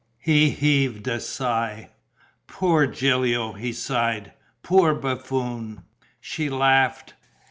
He heaved a sigh: "Poor Gilio!" he sighed. "Poor buffoon!" She laughed.